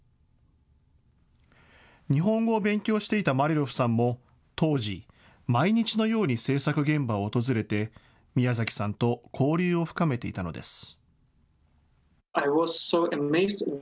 日本語を勉強していたマリャロフさんも当時、毎日のように制作現場を訪れてミヤザキさんと交流を深めていたのです。